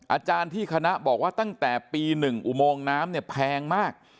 อาจารย์ที่คณะบอกว่าตั้งแต่ปี๑อุโมงน้ำเนี่ยแพงมาก